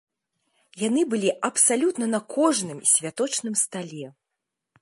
Яны былі абсалютна на кожным святочным стале!